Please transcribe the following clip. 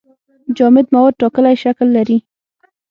جامد مواد ټاکلی شکل لري.